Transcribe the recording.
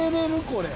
これ」